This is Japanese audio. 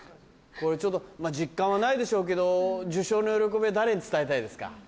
これちょっと実感はないでしょうけど受賞の喜びは誰に伝えたいですか？